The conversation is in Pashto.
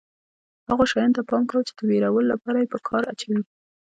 هغو شیانو ته پام کوه چې د وېرولو لپاره یې په کار اچوي.